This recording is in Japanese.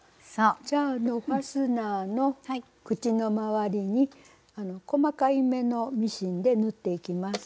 じゃあファスナーの口の周りに細かい目のミシンで縫っていきます。